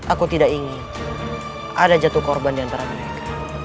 aku tidak ingin ada jatuh korban di antara mereka